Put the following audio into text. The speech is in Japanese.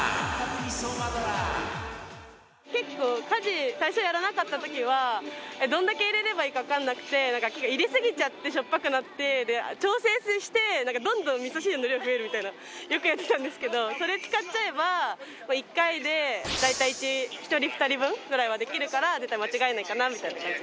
結構家事最初やらなかった時はどんだけ入れればいいかわからなくて入れすぎちゃってしょっぱくなって調節してどんどん味噌汁の量増えるみたいなよくやってたんですけどそれ使っちゃえば１回で大体１人２人分ぐらいはできるから絶対間違えないかなみたいな感じで。